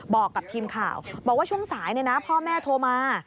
บอกกับทีมข่าวบอกว่าช่วงสายพ่อแม่โทรมา